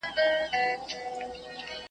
هیلې ویل چې